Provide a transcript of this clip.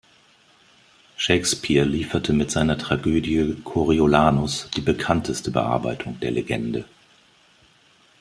Shakespeare lieferte mit seiner Tragödie "Coriolanus" die bekannteste Bearbeitung der Legende.